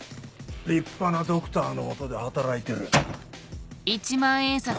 立派なドクターの下で働いてる。